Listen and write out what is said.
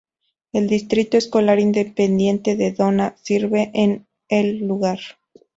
El Distrito Escolar Independiente de Donna sirve a el lugar.